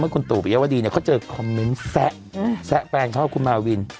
ครูตูเปทยาวดีเขาเจอคอมเม้นแซะแซะแฟนเขาคุณมารวิน